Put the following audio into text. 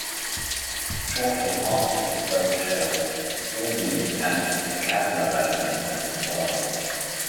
Shortly after this boat show, Hobie entered the catamaran business as well.